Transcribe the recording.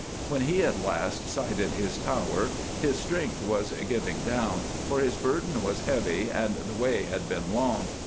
When he at last sighted his tower his strength was giving down, for his burden was heavy and the way had been long.